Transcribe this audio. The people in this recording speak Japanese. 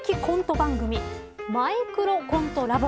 番組マイクロコントラボ。